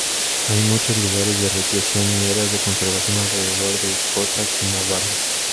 Hay muchos lugares de recreación y áreas de conservación alrededor de Kota Kinabalu.